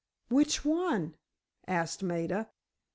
"Which one?" asked Maida.